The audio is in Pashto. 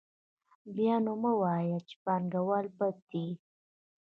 بیا نو مه وایئ چې پانګوال بد دي